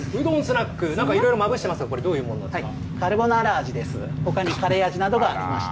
うどんスナック、なんかいろいろまぶしてますが、これどういカルボナーラ味です。